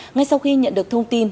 ngay sau khi nhận được thông tin